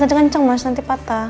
jangan kenceng kenceng mas nanti patah